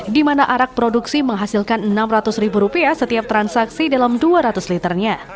di mana arak produksi menghasilkan enam ratus setiap transaksi dalam dua ratus liternya